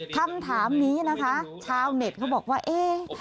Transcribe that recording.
คำถามนี้นะคะชาวเน็ตเขาบอกว่าเอ๊ะ